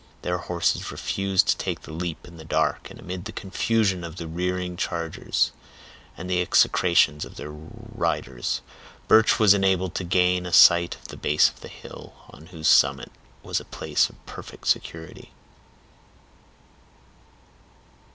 Their horses refused to take the leap in the dark, and amid the confusion of the rearing chargers, and the execrations of their riders, Birch was enabled to gain a sight of the base of the hill, on whose summit was a place of perfect security.